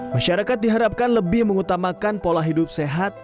masyarakat diharapkan lebih mengutamakan pola hidup sehat